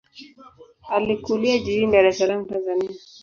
Alikulia jijini Dar es Salaam, Tanzania.